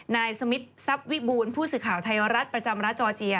นายสมิททรัพย์วิบูลผู้สื่อข่าวไทยรัฐประจำรัฐจอร์เจีย